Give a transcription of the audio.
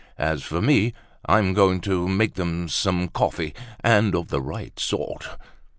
As for me, I'm going to make them some coffee, and of the right sort!"